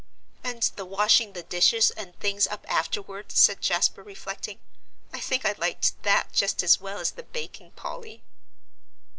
"And the washing the dishes and things up afterward," said Jasper, reflecting; "I think I liked that just as well as the baking, Polly."